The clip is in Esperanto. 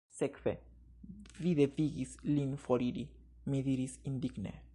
Sekve, vi devigis lin foriri, mi diris indigne.